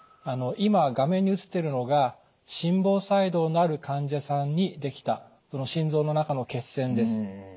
今画面に映ってるのが心房細動のある患者さんにできたその心臓の中の血栓です。